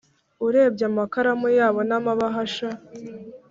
urebye amakaramu yabo n'amabahasha,